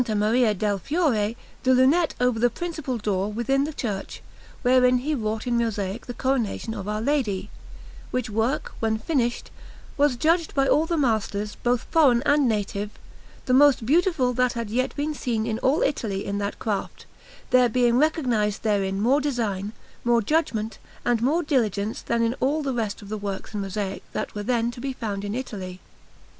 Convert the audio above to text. Maria del Fiore the lunette over the principal door within the church, wherein he wrought in mosaic the Coronation of Our Lady; which work, when finished, was judged by all the masters, both foreign and native, the most beautiful that had yet been seen in all Italy in that craft, there being recognized therein more design, more judgment, and more diligence than in all the rest of the works in mosaic that were then to be found in Italy.